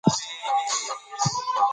د ښوونکي درناوی د علم درناوی دی.